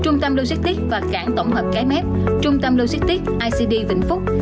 trung tâm logistics và cảng tổng hợp cái mép trung tâm logistics icd vĩnh phúc